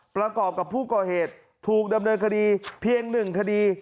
ประกอบกับผู้ก่อเหตุถูกดำเนินคดีเพียง๑คดี